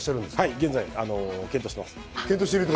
現在、検討しています。